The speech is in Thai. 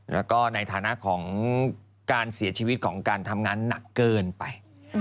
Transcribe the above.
แล้วก็ในฐานะของการเสียชีวิตของการทำงานหนักเกินไป